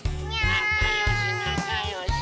なかよしなかよし！